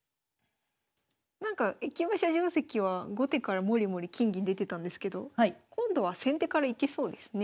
なんか駅馬車定跡は後手からもりもり金銀出てたんですけど今度は先手からいけそうですね。